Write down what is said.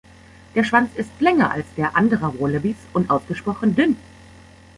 Der Schwanz ist länger als der anderer Wallabys und ausgesprochen dünn.